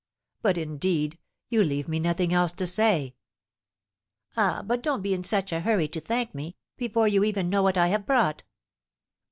But, indeed, you leave me nothing else to say." "Ah, but don't be in such a hurry to thank me, before you even know what I have brought!"